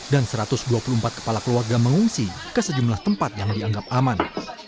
dan satu ratus dua puluh empat kepala keluarga mengungsi ke sejumlah tempat yang dianggap aman